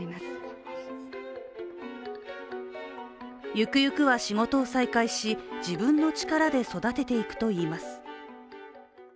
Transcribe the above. ゆくゆくは仕事を再開し自分の力で育てていくといいます。